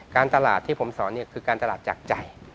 การตลาดที่ผมสอนคือการตลาดจากใจ